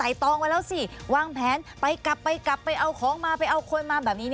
ตองไว้แล้วสิวางแผนไปกลับไปกลับไปเอาของมาไปเอาคนมาแบบนี้